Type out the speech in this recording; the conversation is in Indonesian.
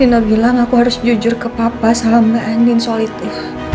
dino bilang aku harus jujur ke papa sama andin soal itu